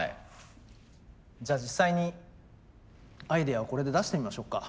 じゃあ実際にアイデアをこれで出してみましょうか。